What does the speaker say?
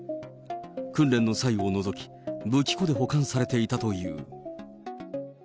訓練の際を除き、武器庫で保管されていたという。